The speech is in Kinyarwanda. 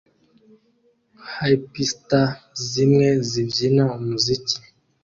Hipsters zimwe zibyina umuziki